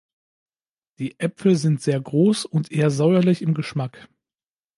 Die Äpfel sind sehr groß und eher säuerlich im Geschmack.